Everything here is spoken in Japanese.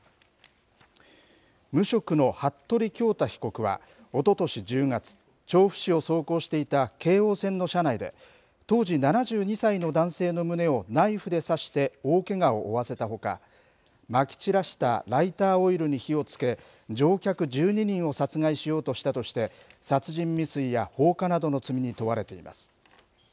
無職の服部恭太被告は、おととし１０月、調布市を走行していた京王線の車内で、当時７２歳の男性の胸をナイフで刺して大けがを負わせたほか、まき散らしたライターオイルに火をつけ、乗客１２人を殺害しようとしたとして、殺人未遂や放火などの罪に問われています。